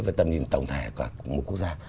với tầm nhìn tổng thể của một quốc gia